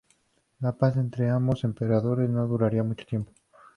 La paz entre ambos emperadores no duraría mucho tiempo.